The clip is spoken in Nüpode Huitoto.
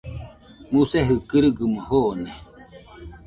Musegɨ kɨrigamo jone.